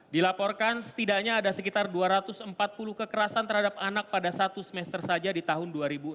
dilaporkan setidaknya ada sekitar dua ratus empat puluh kekerasan terhadap anak pada satu semester saja di tahun dua ribu enam belas